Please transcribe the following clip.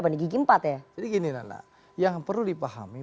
jadi gini nana yang perlu dipahami